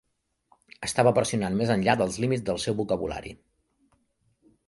Estava pressionant més enllà dels límits del seu vocabulari.